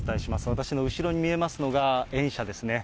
私の後ろに見えますのが、園舎ですね。